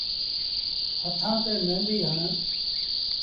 هٿآن ٿي ميݩدي هڻ۔